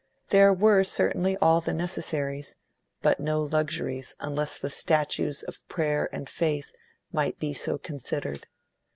There were certainly all the necessaries, but no luxuries unless the statues of Prayer and Faith might be so considered.